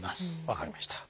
分かりました。